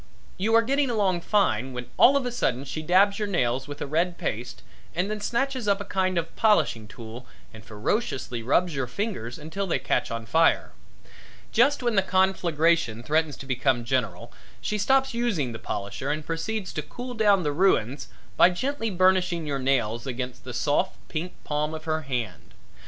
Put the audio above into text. You are getting along fine, when all of a sudden she dabs your nails with a red paste and then snatches up a kind of a polishing tool and ferociously rubs your fingers until they catch on fire. Just when the conflagration threatens to become general she stops using the polisher and proceeds to cool down the ruins by gently burnishing your nails against the soft, pink palm of her hand.